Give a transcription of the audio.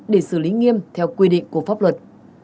để xử lý nghiêm theo quy định của pháp luật